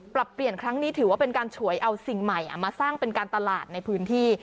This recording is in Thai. ปรับเปลี่ยนครั้งนี้ถือว่าเป็นการฉวยเอาสิ่งใหม่มาสร้างเป็นการตลาดในพื้นที่